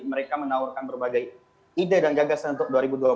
mereka menawarkan berbagai ide dan gagasan untuk dua ribu dua puluh